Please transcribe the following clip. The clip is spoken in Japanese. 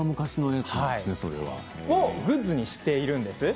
これをグッズにしているんです。